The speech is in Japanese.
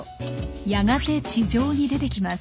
やがて地上に出てきます。